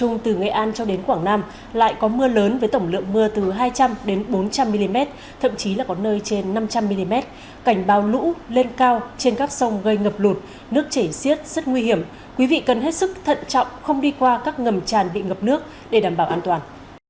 nước chảy siết rất nguy hiểm quý vị cần hết sức thận trọng không đi qua các ngầm tràn bị ngập nước để đảm bảo an toàn